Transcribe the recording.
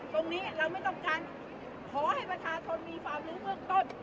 ตรงนี้เราไม่ต้องการขอให้ประชาชนมีความรู้เบื้องต้น